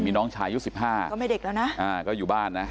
มีน้องชายอายุสิบห้าก็ไม่เด็กแล้วนะอ่าก็อยู่บ้านนะ